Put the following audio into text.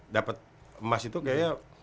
dapat emas itu kayaknya